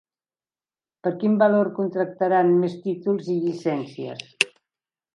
Per quin valor contractaran més títols i llicencies?